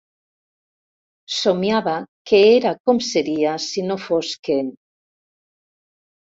Somiava que era com seria si no fos que.